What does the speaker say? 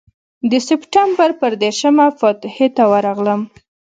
د سپټمبر پر دېرشمه فاتحې ته ورغلم.